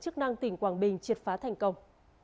chức năng tỉnh quảng bình triệt phá thành công